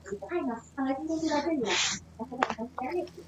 招差术是中国古代数学中的高次内插法。